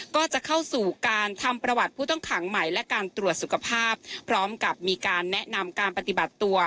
ก็จะเข้าสู่การทำประวัติผู้ต้องขังใหม่และการตรวจสุขภาพพร้อมกับมีการแนะนำการปฏิบัติตัว